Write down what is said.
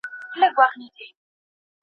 موږ مخکي لا د دې پروژې په کارونو بوخت وو.